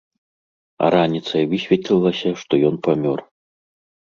А раніцай высветлілася, што ён памёр.